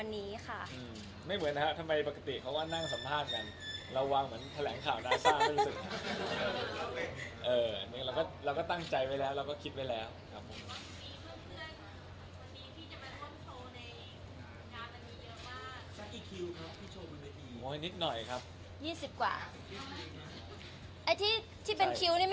แล้วก็ทะเลาะกันเร็วขึ้นด้วย